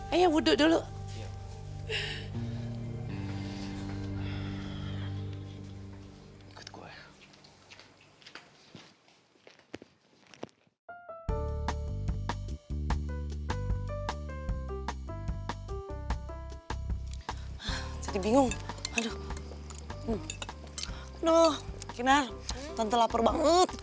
ayo duduk dulu